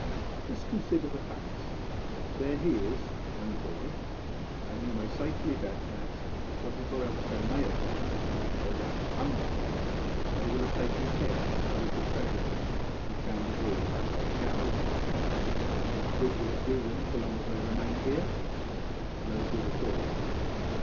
Just consider the facts. There is he and the boy; and you may safely bet that, whatever else they may have done, or left undone, they will have taken care to save the treasure that we found aboard that old galleon; and what good will it do them so long as they remain here? No good at all.